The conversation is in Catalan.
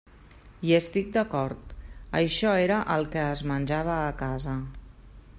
Hi estic d'acord: això era el que es menjava a casa.